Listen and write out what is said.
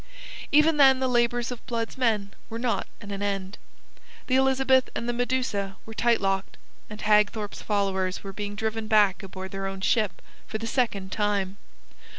Even then the labours of Blood's men were not at an end. The Elizabeth and the Medusa were tight locked, and Hagthorpe's followers were being driven back aboard their own ship for the second time.